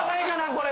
これ。